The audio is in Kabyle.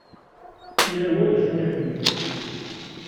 Yal wa d acu i iḥemmel.